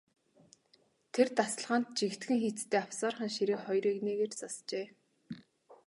Тэр тасалгаанд жигдхэн хийцтэй авсаархан ширээ хоёр эгнээгээр засжээ.